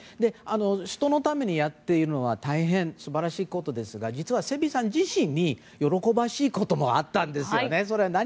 人のためにやっているのは大変素晴らしいことですが実はセビーさん自身に喜ばしいこともあったんです。